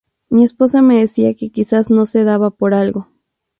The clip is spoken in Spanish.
Mi esposa me decía que quizás no se daba por algo.